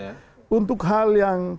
ya untuk hal yang